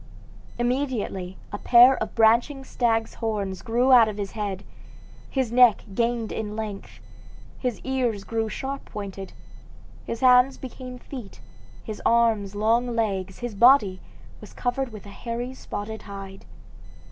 Immediately a pair of branching stag's horns grew out of his head, his neck gained in length, his ears grew sharp pointed, his hands became feet, his arms long legs, his body was covered with a hairy spotted hide.